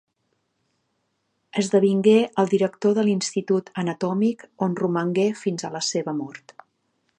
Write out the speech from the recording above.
Esdevingué el director de l'Institut Anatòmic on romangué fins a la seva mort.